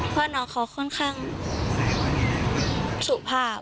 เพราะน้องเขาค่อนข้างสุภาพ